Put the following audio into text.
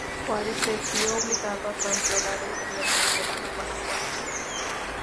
Juárez se vio obligado a trasladar el "gobierno liberal" a Guanajuato.